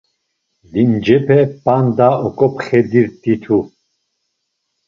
Limcepe p̌anda oǩopxedirt̆itu.